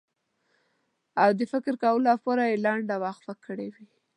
او د فکر کولو لپاره یې لنډه وقفه کړې وي.